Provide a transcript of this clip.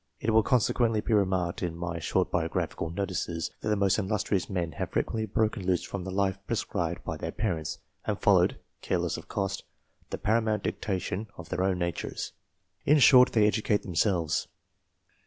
It will consequently be remarked in my short biographical notices, that the most illustrious men have frequently broken loose from the life prescribed by their parents, and followed, careless of cost, the paramount dictation of their own natures : in short, they educate themselves.